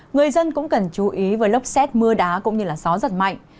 người dân cũng cần chú ý với lốc xét mưa đá cũng như gió giật mạnh